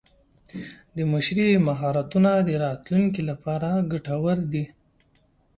د مشرۍ مهارتونه د راتلونکي لپاره ګټور دي.